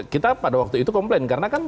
kita pada waktu itu komplain karena kan